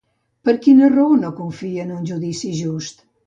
Per quina raó no confia en un judici just?